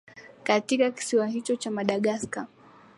kaitka kisiwa hicho cha madagascar